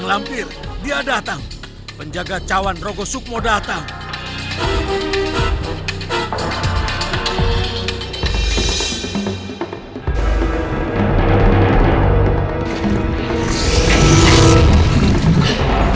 sembara bisa keluar dari kutukan demi medusa